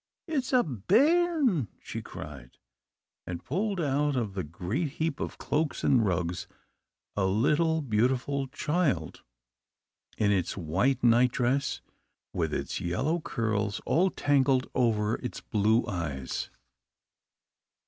"It's a bairn!" she cried, and pulled out of the great heap of cloaks and rugs a little beautiful child, in its white nightdress, with its yellow curls all tangled over its blue eyes.